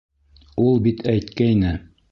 Ул бит әйткәйне...